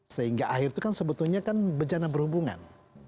sehingga akhirnya itu kan sebetulnya bencana berhubungan